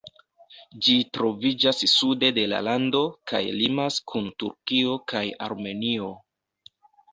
Ĝi troviĝas sude de la lando kaj limas kun Turkio kaj Armenio.